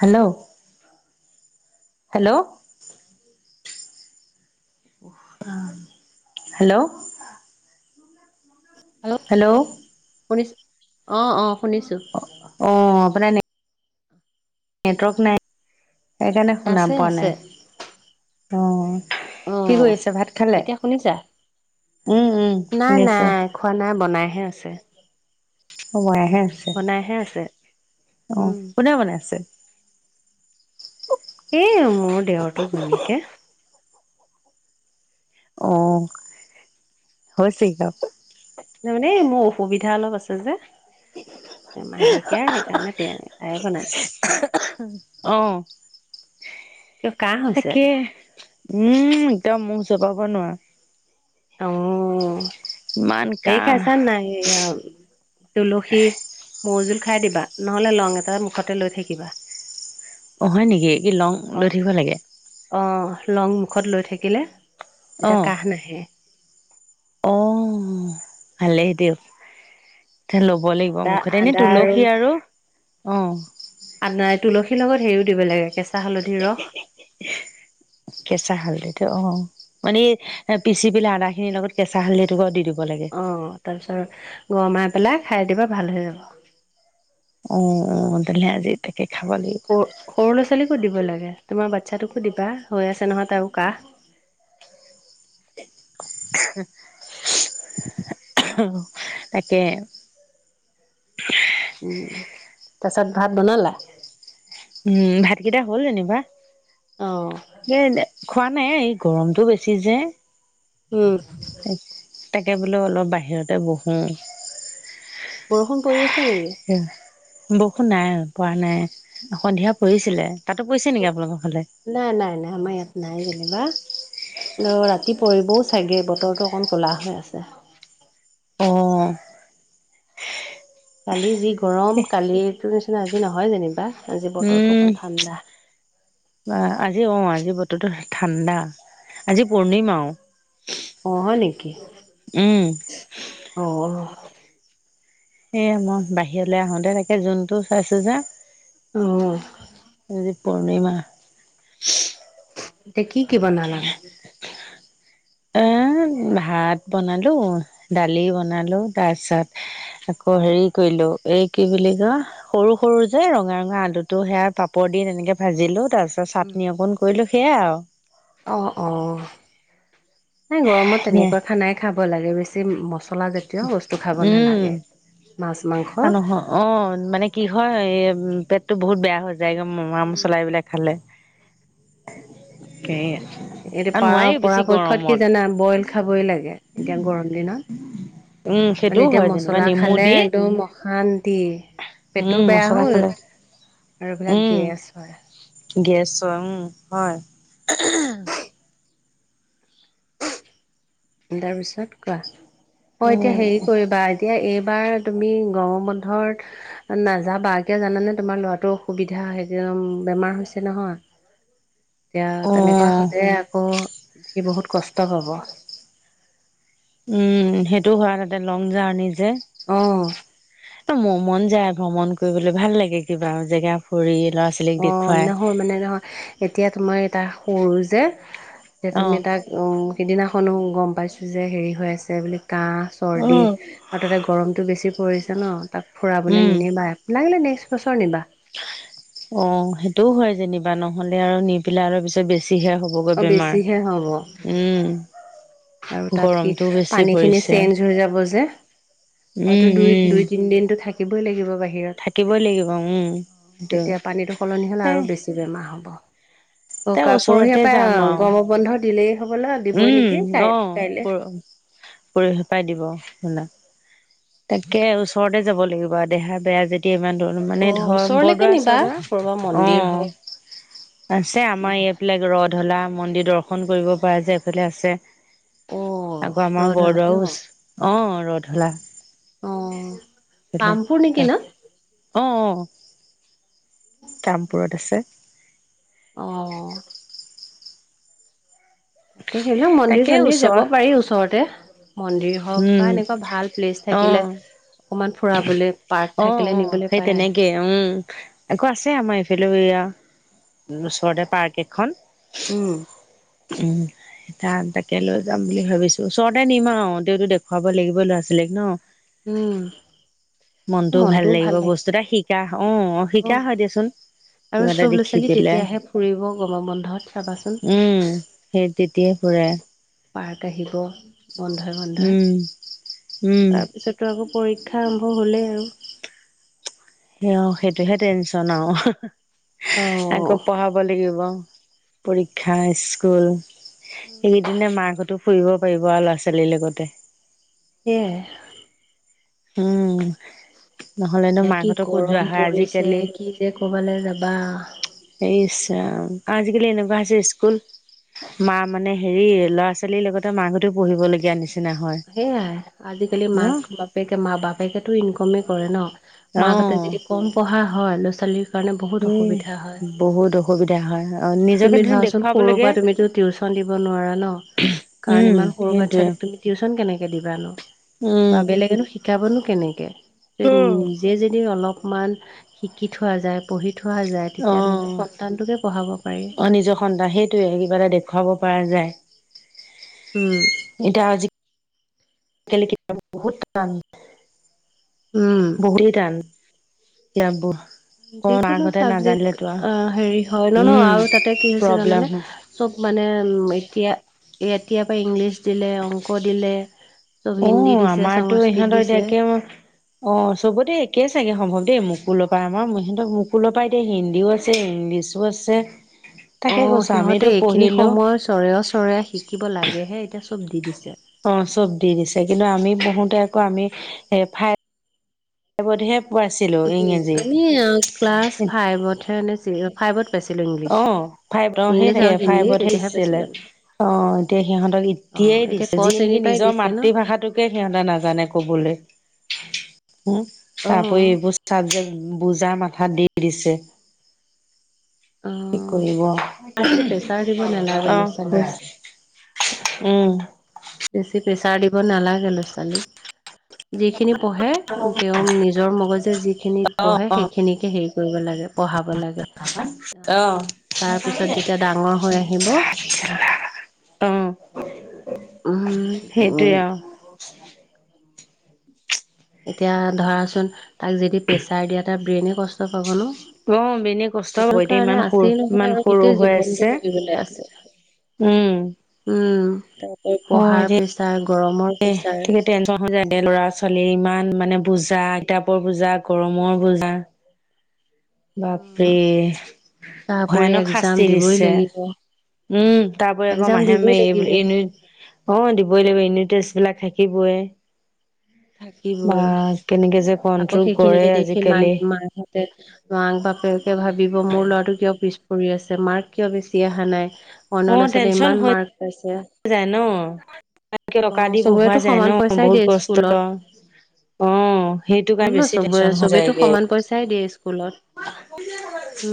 Hello hello hello hello'' শুনিছ অ অ শুনিছোঁ। শুনায় নে নেটৱৰ্ক নাই সেইকাৰণে শুনা আছে পোৱা আছে নাই অ। কি অঁ কৰিছে ভাত খালে? এতিয়া শুনিছা উম উম নাই শুনিছো নাই খোৱা নাই বনাইহে আছে। অ বোনাহে আছে বনাইহে আছে অ উম কোনে বোনায় আছে। এই মোৰ দেউৰটো ঘৈণীয়েকে অ হৈছে অ তাৰ মানে মোৰ অসুবিধা অলপ আছে যে। মাহেকীয়া আৰু সেইকাৰণে তেওঁ তাই বনাইছে। অ। কিয় কাহ হৈছে তাকে উম একদম মুখ জপাব নোৱাৰো। অ। ইমান সে কাহ খাইছা নাইয়া তুলসী মৌজুল খাই দিবা নহ'লে লং এটা মুখতে লৈ থাকিবা। অ হয় নেকি কি লং লৈ অঁ থাকিব লাগে। অঁ লং মুখত লৈ থাকিলে অ তেতিয়া কাহ নাহে। অ ভাল এ দেও। ল'ব লাগিব আদা মুখতে এনে আদা তুলসী আৰু অ। আদা নাই তুলসীৰ লগত হেৰিও দিব লাগে কেচ কেচা হালধি। অ মানে এই পিচি পেলাই আদা খিনিৰ লগত কেঁচা হালদি দুটা দি দিবি। অ তাৰপিছত গৰমাই পেলাই খাই দিবা ভাল হৈ যাব। অ অ তেলে আজেয়তি সৰু সৰু ল'ৰা ছোৱালীকো দিব লাগে। তোমাৰ বাচ্ছাটোকো দিবা হৈ আছে নহয় তাৰো কাহ। [unintelligible] তাকে উম তাপিছত ভাত বনালা। উম ভাতকেইটা হ'ল যেনিবা অ খোৱা নাই এই গৰমটো বেছি যে। উম তাকে বোলে অলপ বাহিৰতে বহো। বৰষুণ পৰি আছে নেকি? বৰষুণ নাই প নাই সন্ধিয়া পৰিছিলে। তাতো পৰিছে নেকি আপোনালোকৰ ফালে নাই, নাই, নাই আমাৰ ইয়াত নাই যেনিবা। ৰাতি পৰিবও চাগে বতৰটো অকণ ক'লা হৈ আছে। অ! কালি যি গৰম, কালিটো নিচিনা আজি নহয় যেনিবা। আজি বতৰটো উম! অকণ ঠাণ্ডা আজি অ আজি। আজি বতৰো ঠাণ্ডা, আজি পূৰ্ণিমাও অ হয় নেকি উম অ! সেয়ে মই বাহিৰলৈ আহোতে তাকে জোনটো চাইছো যে অহ! আজি পূৰ্ণিমা! এতিয়া কি কি বনালানো? অ' ভাত বনালো। দালি বনালো। তাৰ পিছত আকৌ হেৰি কৰিলো লো-এই কি বুলি ক সৰু- সৰু যে ৰঙা- ৰঙা আলু টো সেয়া পাপৰ দি তেনেকে ভাজিলো। তাৰপিছত উম চাটনি অকণ কৰিলো সেয়া আৰু অ' অ' নাই গৰমত ধুনীয়া তেনেকুৱা খানাই খাব লাগে বেছি মছল -চলা জাতীয় বস্তু খাব উম নালাগে। মাছ মাংস নহয় অ' মানে কি হয় পেটটো বহুত বেয়া হৈ যায়। যাই গৈ মা-মছলা এইবিলাক খালে। এইটো আৰু পাৰ নোৱাৰি বেছি -পৰাপক্ষত কি গৰমত জানা বইল খাবই লাগে, এতিয়া গৰম উম দিনত। সেইটোও মানে এতিয়া হয় যেনিবা মছলা নেমু খালে দি টো অশান্তি। উম পেটো বেয়া মছলা হ'ল খালে আৰু এইবিলাক উম গেছ হয়! গেছ উম হয়! তাৰ পিছত কোৱা, মই এতিয়া উম। হেৰি কৰিবা এতিয়া এই এইবাৰ তুমি গৰমৰ বন্ধত নাযাবা কিয় জানানে, তোমাৰ ল'ৰাতো অসুবিধা। হেৰি একদম বেমাৰ হৈছে নহয়। [inaudible] এতিয়া তেনেকুৱা উম হ'লে আকৌ সি বহুত কষ্ট পাব। উম সেইটো হেতেন তাতে লং জাৰ্ণি যে অ', ম মন যায় ভ্ৰমণ কৰিবলৈ ভাল লাগে, কিবা জেগা ফুৰি ল'ৰা ছোৱালীক অ' দেখুৱাই নহয় মানে নহয় এতিয়া তোমাৰ- তাহ- সৰু যে -যে অ তুমি তাক সিদিনা খনো গম পাইছো যে হেৰি হৈ আছে বুলি কাহ -চৰ্দি আৰু তাতে গৰমটো বেছি পৰিছে ন, তাক ফুৰাবলৈ উম নিনিবা। লাগিলে নেক্সট বছৰ নিবা অ' হেটোও হয় যেনিবা, নহ'লে আৰু নি পেলাই আৰু পিছত বেছি হে হ'বগৈ অ', বেমাৰ। বেছিহে হ'ব উম! আৰু তাত সি গৰমটোও বেছি পানীখিনি পৰিছে চেঞ্জ হৈ যাব যে, উম হয়তো দুই উম দুই-তিনদিনটো থাকিবই লাগিব। থাকিবই লাগিব উম বাহিৰত সেইটো তেতিয়া পানীটো সলনি হ'লে এ আৰু বেছি বেমাৰ হ'ব। অ তাৰ কা- পৰহি য়া ওচৰতে পাই যাম অ' আৰু গম বন্ধ দিলেই হবলা, দিবই নেকি? কাই অ'হ। কাইলে। পৰ- পৰহিপাই দিব হবলা তাকে ওচৰতে যাব লাগিব আৰু দেহা বেয়া যেতিয়া ইমান মানে অ ধৰ ওচৰলৈকে বৰদোৱা নিবা -চদোৱা ক'ৰবা মন্দিৰ অ' হওক আছেহ আমাৰ এফালে ৰ-ধলা মন্দিৰ দৰ্শন কৰিব পৰা যায়। এইফালে আছে। অ আকৌ আমাৰ ৰধলা ন। বৰদোৱাও। অ ৰ-ধলা অ' কামপুৰ নেকি ন? অ'অ'! কামপুৰত আছে। অহ। তাকেহে সেইবিলাক তাকে মন্দিৰ-চন্দিৰ ওচৰ যাব পাৰি ওচৰতে। মন্দিৰ হওক উম বা এনেকুৱা ভাল প্লেচ অ থাকিলে অকমান ফুৰাবলে পাৰ্ক অ' থাকিলে অ' নিবলৈ সেই পায় তেনেকে। উম। আকৌ আছে আমাৰ ইফেলেও ওচৰতে পাৰ্ক এখন। উম। উম। তা- তাকে লৈ যাম বুলি ভাবিছো। ওচৰতে নিম আও তেওঁতো দেখুৱাব লাগিব ল'ৰা-ছোৱালী ব [unintelligible] লে ন উম। মনটোও ভাল লাগিব বস্তু এটা শিকা অ', শিকা হয় দিয়াচোন। আৰু কিবা এটা চব ল'ৰা দেখি ছোৱালী পেলাই তেতিয়াহে ফুৰিব গৰমৰ বন্ধত চাবাচোন উম, সেই [unintelligible] ফুৰে। [unintelligible] আহিব বন্ধই বন্ধই উম উম তাৰপিছতো আকৌ পৰীক্ষা আৰম্ভ হ'লেই আৰু। সেই অ', সেইটোহে টেনচন আৰু আকৌ অ', পঢ়াব লাগিব। পৰীক্ষা স্কুল সিদিনা মাক হতো ফুৰিব পাৰিব আৰু ল'ৰা ছোৱালীৰ লগতে। সেয়াই। উম। নহলেনো কি মাকহঁতৰ কত যোৱা গৰম হয় পৰিছে আজিকালি কি যে ক'বালৈ যাবা। এই আজিকালি এনেকুৱা হয়চে স্কুল মা মানে হেৰি ল'ৰা ছোৱালীৰ লগতে মাকহতেও পঢ়িব লগীয়া নিচিনা হয় সেইয়াই আজিকালি ন মাক বাপেকে মা বাপেকেতো ইনকমে কৰে ন। মাক হতে অ যদি কম পঢ়া হয় ল'ৰা ছোৱালীৰ কাৰণে এ বহুত অসুবিধা হয়। বহুত অসুবিধা হয় অ নিজকে তুমি ধ ধৰাচোন দেখুৱাব সৰুৰ লাগে পৰা তুমিতো টিউচন দিব নোৱাৰা ন। কাৰণ উম ইমান সৰুৰ সেইটোৱে বাচ্ছাটোক তুমি টিউচন কেনেকে দিবা ন উম বা বেলেগেনো শিকাবনো কেনেকে নিজে যদি অলপ অকমান শিকি থোৱা যায় পঢ়ি থোৱা যায় অ তেতিয়া নিজৰ সন্তানটোকে পঢ়াব। পাৰি অ', নিজৰ সন্তান সেইটোৱে কিবা এটা দেখুৱাব পৰা যায়। উম এটায়া আজি [unintelligible] বহুত টান উম বহুতেই টান। [unintelligible] যিকোনো মাকহঁতে চাবজেক্ট নাজানিলেতো আও অ' হেৰি হয় ন ন উম আৰু তাতে কি হৈছে প্ৰব্লেম জানানে হয়। চব মানে এতিয়া এতিয়াৰ পা ইংলিছ দিলে, অংক দিলে চব হিন্দী অ', দিছে আমাৰতো সংস্কৃত ইহঁতৰ এতিয়া দিছে একে অ' চবতে একে চাগে সমভব দে মুকুলৰ পৰায় আমাৰ হেনতৰ মুকুলৰ পায় এতিয়া হিন্দীও আছে ইংলিছো আছে। তাকে অ', কৈছো সিহঁতে আমিতো এইখিনি পঢ়িলো সময় [unintelligible] শিকিব লাগেহে এতিয়া চব দি দিছে। অ', চব দি দিছে কিন্তু আমি পঢ়োতে আকৌ আমি এ ফাই স বধে উম আমি ক্লাছ ফাইভত হে এনে [unintelligible] অ', ফাইভ অ' সেই থাকে হিন্দী ফাইভত সে তেতিয়াহে দিছিলে পাইছিলোঁ আমি। অ', এতিয়া সিহঁতক এ অ', দিয়েই এতিয়া দিছে ক যিয়ি নেকি শ্ৰেণীৰ পৰাই নিজৰ দিছে ন? মাতৃভাষাটোকে সিহঁতে নাজানে ক'বলে। উম তাৰপৰি অ', এইবোৰ চাবজেক বুজা মাথাত দি দিছে। কি অ'। কৰিব বেছি প্ৰেছাৰ দিব নালাগে অ ল'ৰা ছোৱালীক, উম। বেছি প্ৰেছাৰ দিব নালাগে ল'ৰা ছোৱালীক। যিখিনি পঢ়ে তেওঁ নিজৰ মগজে যিখিনি অ পঢ়ে অ সেইখিনিকে হেৰি কৰিব লাগে। পঢ়াব লাগে। [unintelligible] তাৰ পিছত যেতিয়া ডাঙৰ হৈ আহিব অ', সেইটোৱে আৰু [unintelligible] এতিয়া ধৰাচোন তাক যদি প্ৰেছাৰ দিয়া তাৰ ব্ৰেইনে কষ্ট পাব ন। অ', এনেই কষ্ট সেইটো হব কাৰণে ইমান সৰু আছেই নহয় ইমান আৰু সৰু গোটেই হৈ জীৱনটো আছে। পঢ়িবলৈ আছে। উম। তাৰ ওপৰত পঢ়াৰ প্ৰেছাৰ। গৰমৰ এ প্ৰেছাৰ [unintelligible] টেনচনহৈ যায় ল'ৰা ছোৱালীৰ ইমান মানে বুজা, কিতাপৰ বুজা, গৰমৰ বুজা বাপৰে তাৰপৰি ভয়ানক এক্জাম শাস্তি দিবই দিছে। লাগিব, উম, তাৰোপৰি আকৌ এক্জাম মাহে দিবই মাহে এই বো লাগিব। ইউনি অ দিবই লাগিব ইউনি ট টেষ্ট বিলাক থাকিবয়ে। থাকিবই। যে আকৌ কন্ট্ৰল কৰে সেইখিনিকে দেখি মাক আজিকালি মাকহঁতে মাক-বাপেকে ভাবিব মোৰ ল'ৰাটো কিয় পিছ পৰি আছে মাৰ্ক কিয় বেছি অহা নাই অ অইনৰ লৰা-ছোৱালীয়ে টেনচন ইমান হৈ মাৰ্ক পাইছে। যায় ন অ টকা দি পঢ়োৱা চবৰেটো যায় ন সমান পইচাই বহুত দিয়ে কষ্ট স্কুল ত অ সেইটো কাৰণে বেছি চবে টেনচন হৈ চবেইেতো যায়গে সমান পইচাই দিয়ে স্কুলত,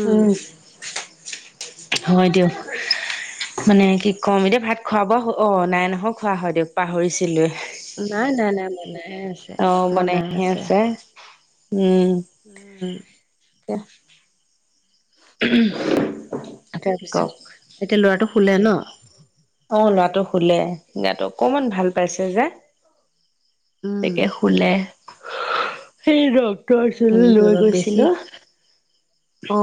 উম হয় দিয়ক। মানে কি ক'ম এতিয়া ভাত খোৱা-বোৱা অ নাই নহয় খোৱা হয় দিয়ক পাহৰিছিলোৱে। নাই নাই নাই ম অ বনাইহে আছে উম। উম তাৰপিছত কওক এতিয়া লৰাটো শুলে ন? অ ল'ৰাটো শুলে গাটো অকমান ভাল পাইছে যে। উম তাকে শুলে। সেই ডক্তৰ ওচৰলৈ হেৰি লৈ কৰিবা বেছি গৈছিলো অ,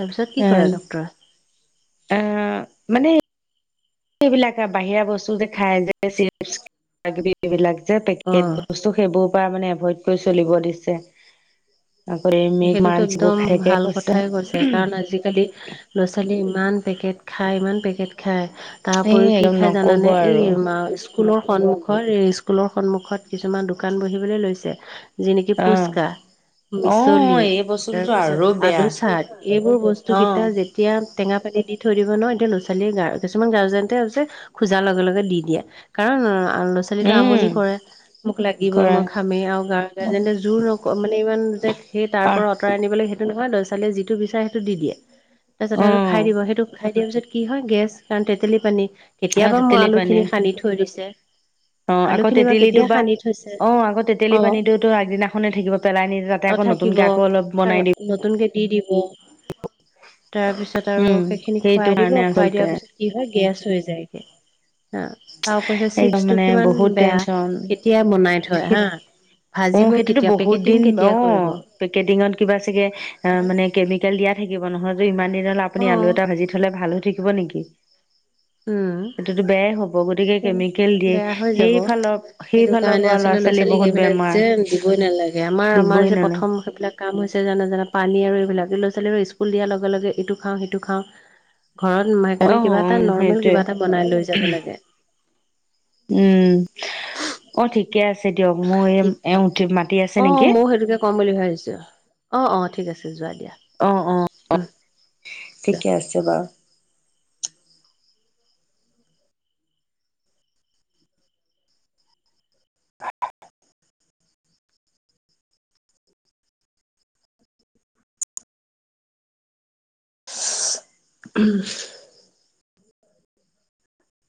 তাৰপিছত কি ক'লে ডক্তৰে? আহ মানে এইবিলাক বাহিৰা বস্তু যে খাই যে চিপচ কিবা-কিবি এইবিলাক পেকেট অ বস্তু সেইবোৰ পৰা মানে এভইড কৰি চলিব দিছে। আকৌ এই মিল্ক সেইটোতো মাঞ্চ বোৰ একদম খাই থাকে ভাল কথাই কৈছে কাৰণ আজিকালি ল'ৰা-ছোৱালী ইমান পেকেট খায়, ইমান পেকেট খায় তাৰ এই উপৰিও কি একদম খায় নকব জানানে এই আৰু স্কুলৰ সন্মুখত এ স্কুলৰ সন্মুখত কিছুমান দোকান বহিবলে লৈছে যিনেকি অ পুচকা বি অ লি এই বস্তুটোতো আৰু তাৰপিছত বেয়া আলু চাদ এইবোৰ বস্তু অ কেইটা যেতিয়া টেঙাপানী দি থৈ দিব নহয়, এতিয়া ল'ৰা-ছোৱালীয়ে গা কিছুমান গৰ্জেন্তেই আছে খোজা লগে লগেই দি দিয়ে কাৰণ ল'ৰা-ছোৱালীটোৱে উম আমনি কৰে মোক লাগিবই, কৰে মই খামেই আৰু গৰ্জেন্তে জোৰ নক মানে ইমান সেই আহ তাৰপৰা আঁতৰাই আনিবলৈ সেইটো নহয় ল'ৰা-ছোৱালীয়ে যিটো বিচাৰে সেইটো দি দিয়ে। তাৰপিছত অ সেইটো খাই দিব সেইটো খাই দিয়াৰ পিছত কি হয় গেছ কাৰণ তেতেলী পানী আৰু কেতিয়াবা মই তেতেলী পানী আলুখিনি সানি থৈ দিছে। অ আলু আকৌ খিনি তেতেলীটো কেতিয়া বা সানি থৈছে অ আকৌ তেতেলী অ পানীটোতো আগদিনাখনে থাকিব পেলাই নিদিয়ে তা থাকিব কাৰণ নতুনকে দি দিব তাৰপিছত আৰু উম সেইখিনি সেইটো খুৱাই দিব কাৰণে খুৱাই আচলতে দিয়াৰ পিছত কি হয় গেছ হৈ যায়গে। হা তাৰ ক একদম চিপচটো মানে কিমান বহুত বেয়া টেনচন কেতিয়াই বনাই থৈ হা অ ভাজিব সেইটোতো কেতিয়া, বহুত পেকেটিং দিন কেতিয়া অ কৰিব পিকেটিংত কিবা চাগে আ মানে অ কেমিকেল দিয়া থাকিব নহলেটো ইমান দিন [unintelligible] আপুনি আলু এটা ভাজি থলে ভাল হৈ থাকিব নিকি? উম সেইটোতো বেয়াই হব। গতিকে তেন কেমিকেল দিয়ে বেয়া হৈ যাব সেইফালৰ সেইটো সেইফালৰ কাৰণে পৰা আচলতে ল'ৰা ল'ৰা-ছোৱালী ছোৱালীক বহুত এইবিলাক বেমাৰ। যে দিবই নালাগে আমাৰ আমাৰ দিবই যে প্ৰথম নালাগে সেইবিলাক কাম হৈছে যেনে যেনে পানী আৰু এইবিলাক। ল'ৰা-ছোৱালীবোৰে স্কুল দিয়াৰ লগে লগে ইটো খাওঁ, সিটো খাওঁ ঘৰত অ সেইকাৰণে কিবা এটা নৰ মেল সেইটোৱে কিবা এটা বনাই লৈ যাব লাগে। উম অ ঠিকে আছ ছে দিয়ক মোৰ এ ঠিক এওঁ উঠি মাতি আছে অ নিকি। ময়ো সেইটোকে ক'ম বুলি ভাবিছো অ অ ঠিক আছে যোৱা দিয়া। অ অ অ উম যোৱা ঠিকে আছে বাৰু। [unintelligible]